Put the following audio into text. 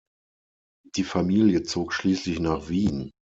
Die Familie zog schließlich nach Wien.